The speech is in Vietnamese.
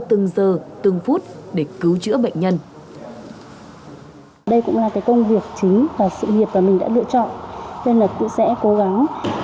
từng giờ từng phút để cứu chữa bệnh nhân